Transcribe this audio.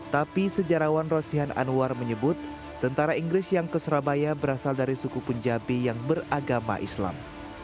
tapi sejarawan rosihan anwar menyebut tentara inggris yang ke surabaya berasal dari suku punjabi yang beragama islam